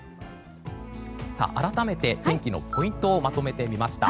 改めて、天気のポイントをまとめてみました。